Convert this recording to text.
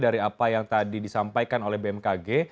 dari apa yang tadi disampaikan oleh bmkg